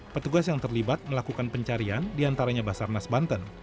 petugas yang terlibat melakukan pencarian di antaranya basarnas banten